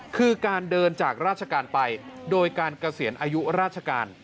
คือการเดินจากราชการไปโดยการเกษียณอายุราชการ